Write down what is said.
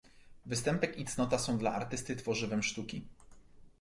Występek i cnota są dla artysty tworzywem sztuki.